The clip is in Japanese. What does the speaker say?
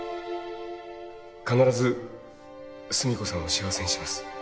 必ず寿美子さんを幸せにします